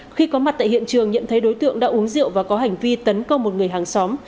khi có mặt tại hiện trường nhận thấy đối tượng đã uống rượu và có hành vi tấn công một người hàng xóm